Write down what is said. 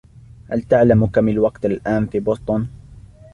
هل تعلم كم الوقت الأن في بوسطن؟